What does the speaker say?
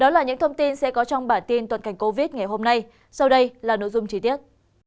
đó là những thông tin sẽ có trong bản tin tuần cảnh covid ngày hôm nay sau đây là nội dung chi tiết